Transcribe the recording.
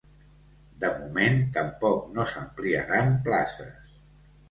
De moment, tampoc no s’ampliaran places.